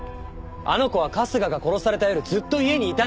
あの子は春日が殺された夜ずっと家にいたんです。